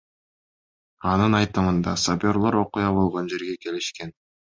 Анын айтымында, сапёрлор окуя болгон жерге келишкен.